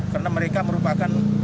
karena mereka merupakan